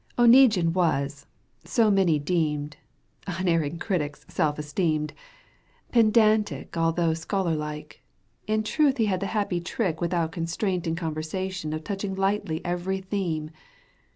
Oneguine was — so many deemed [Unerring critics self esteemed], Pedantic although scholar like, In truth he had the happy trick Without constraint in conversation Of touching lightly every theme.